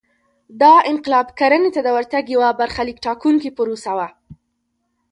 دا انقلاب کرنې ته د ورتګ یوه برخلیک ټاکونکې پروسه وه